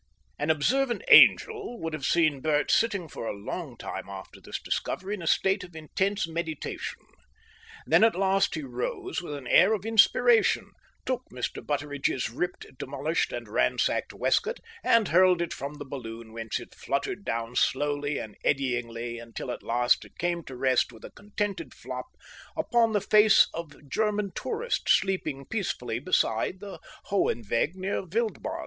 An observant angel would have seen Bert sitting for a long time after this discovery in a state of intense meditation. Then at last he rose with an air of inspiration, took Mr. Butteridge's ripped, demolished, and ransacked waistcoat, and hurled it from the balloon whence it fluttered down slowly and eddyingly until at last it came to rest with a contented flop upon the face of German tourist sleeping peacefully beside the Hohenweg near Wildbad.